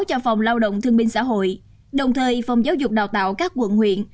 cho phòng lao động thương minh xã hội đồng thời phòng giáo dục đào tạo các quận huyện